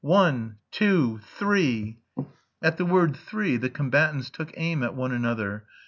"One! Two! Three!" At the word "Three" the combatants took aim at one another.